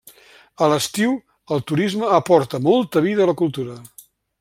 A l'estiu, el turisme aporta molta vida a la cultura.